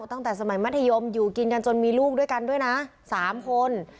ตั้งแต่สมัยมัธยมอยู่กินกันจนมีลูกด้วยกันด้วยนะ๓คน